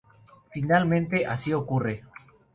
Finalmente, así ocurre.